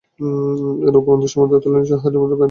এর উপরন্তু, সমুদ্রতলে এর নিজস্ব হাইড্রোথার্মাল ভেন্ট রয়েছে।